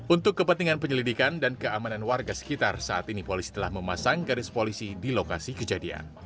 untuk kepentingan penyelidikan dan keamanan warga sekitar saat ini polisi telah memasang garis polisi di lokasi kejadian